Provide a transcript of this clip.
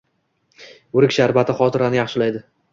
O'rik sharbati xotirani yaxshilaydi.